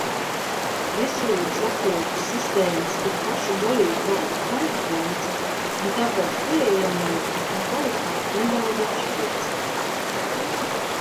Veselības aprūpes sistēmas ir pašu dalībvalstu kompetence, un tāpēc pieejamība un kvalitāte nedaudz atšķiras.